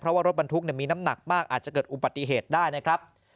เพราะว่ารถบรรทุกมีน้ำหนักมากอาจจะเกิดอุบัติเหตุได้นะครับ